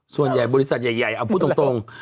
ส่วนใหญ่บริษัทใหญ่เอาพูดตรง